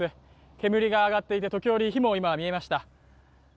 煙も上がっていて、時折、火も見えました。